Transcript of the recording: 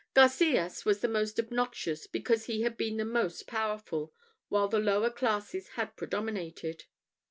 Garcias was the most obnoxious, because he had been the most powerful while the lower classes had predominated.